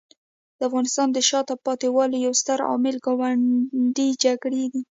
د افغانستان د شاته پاتې والي یو ستر عامل ګاونډي جګړې دي.